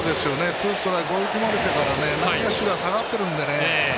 ツーストライク追い込まれてから、内野手が下がってるんでね。